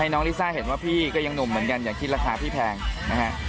น้องลิซ่าเห็นว่าพี่ก็ยังหนุ่มเหมือนกันอย่าคิดราคาพี่แพงนะฮะ